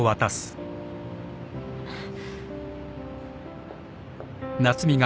あっ。